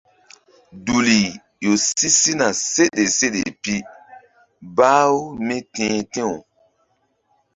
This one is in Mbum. Duli ƴo si sina seɗe seɗe pi bah-u mí ti̧h ti̧w.